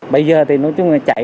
bây giờ thì nói chung là chạy